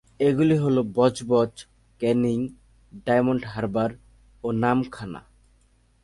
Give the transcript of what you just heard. এগুলি হল বজবজ, ক্যানিং, ডায়মন্ড হারবার ও নামখানা।